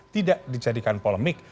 tidak dijadikan polemik